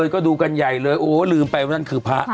ก็ดูกันใหญ่เลยโอ้ลืมไปว่านั่นคือพระ